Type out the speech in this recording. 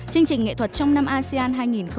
chương trình nghệ thuật trong năm asean hai nghìn hai mươi